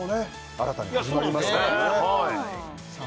新たに始まりましたからねさあ